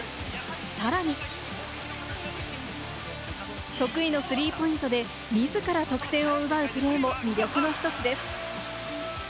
さらに得意のスリーポイントで自ら得点を奪うプレーも魅力の１つです。